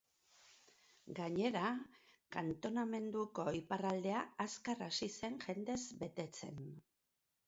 Gainera, kantonamenduko iparraldea azkar hasi zen jendez betetzen.